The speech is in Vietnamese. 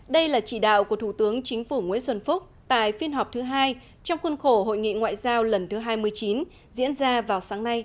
đây là chỉ đạo của thủ tướng chính phủ nguyễn xuân phúc tại phiên họp thứ hai trong khuôn khổ hội nghị ngoại giao lần thứ hai mươi chín diễn ra vào sáng nay